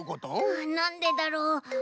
あなんでだろう？